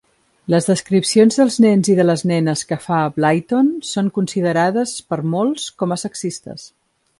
Les descripcions dels nens i de les nenes que fa Blyton són considerades per molts com a sexistes.